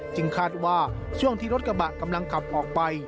คาดว่าช่วงที่รถกระบะกำลังขับออกไป